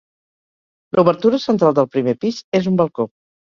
L'obertura central del primer pis és un balcó.